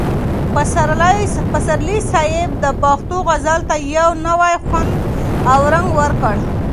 پسرلي صاحب د پښتو غزل ته یو نوی خوند او رنګ ورکړ.